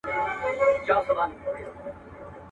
د هندوستان نجوني لولي بند به دي کړینه.